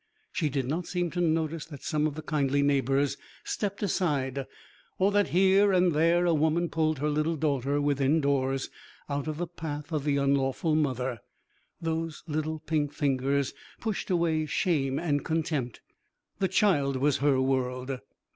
She did not seem to notice that some of the kindly neighbours stepped aside, or that here and there a woman pulled her little daughter within doors, out of the path of the unlawful mother. Those little pink fingers pushed away shame and contempt. The child was her world.